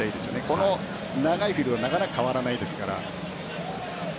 この長いフィールドはなかなか変わらないですから。